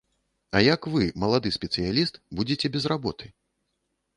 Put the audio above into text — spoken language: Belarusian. А як вы, малады спецыяліст, будзеце без работы?